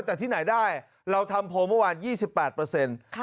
แต่ที่ไหนได้เราทำโพลเมื่อวาน๒๘